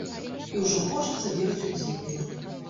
І ўжо хочацца верыць у дзівы.